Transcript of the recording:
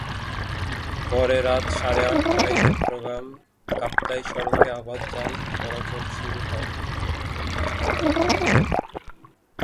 পরে রাত সাড়ে আটটায় চট্টগ্রাম-কাপ্তাই সড়কে আবার যান চলাচল শুরু হয়।